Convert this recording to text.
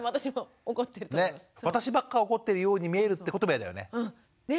私ばっか怒ってるように見えるってことも嫌だよね。